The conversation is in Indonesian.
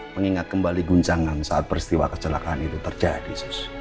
mengingat kembali guncangan saat peristiwa kecelakaan itu terjadi